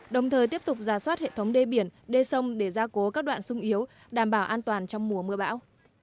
đồng thời tiếp tục giả soát hệ thống đê biển đê sông để ra cố các đoạn sung yếu đảm bảo an toàn trong mùa mưa bão